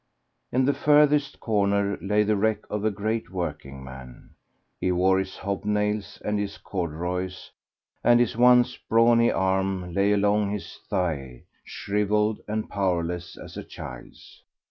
In the furthest corner lay the wreck of a great working man. He wore his hob nails and his corduroys, and his once brawny arm lay along his thigh, shrivelled and powerless as a child's.